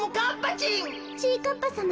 ちぃかっぱさま。